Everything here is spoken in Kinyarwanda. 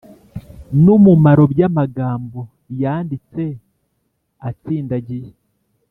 n’umumaro by’amagambo yanditse atsindagiye